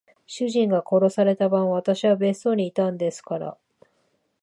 主人が殺された晩、私は別荘にいたんですから。